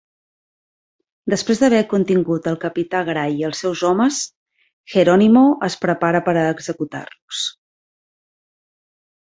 Després d'haver contingut el Capità Gray i els seus homes, Gerónimo es prepara per a executar-los.